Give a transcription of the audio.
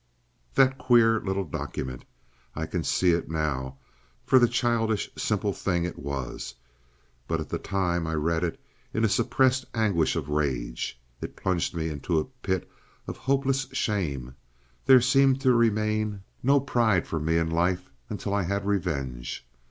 That queer little document! I can see it now for the childish simple thing it was, but at the time I read it in a suppressed anguish of rage. It plunged me into a pit of hopeless shame; there seemed to remain no pride for me in life until I had revenge.